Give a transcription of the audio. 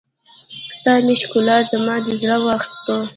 ستا مې ښکلا، زما دې زړه واخيستو